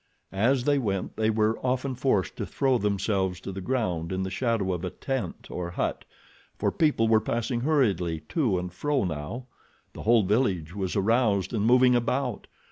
As they went they were often forced to throw themselves to the ground in the shadow of a tent or hut, for people were passing hurriedly to and fro now—the whole village was aroused and moving about.